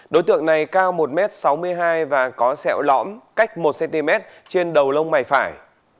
đối tượng này cao một m sáu mươi hai và có sẹo lõm cách một cm trên đầu lông mày phải